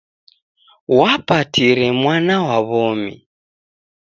Wapatire mwana wa w'omi.